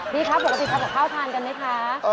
พี่ครับปกติพราบข้าวทานกันไหมค่ะ